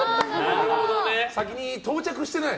先に到着してない？